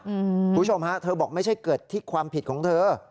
คุณผู้ชมฮะเธอบอกไม่ใช่เกิดที่ความผิดของเธอ